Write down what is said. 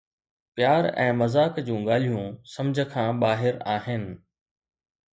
پيار ۽ مذاق جون ڳالهيون سمجھ کان ٻاهر آهن